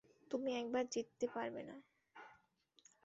তুমি একবারও জিততে পারবে না।